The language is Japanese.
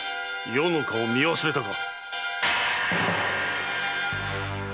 余の顔を見忘れたか？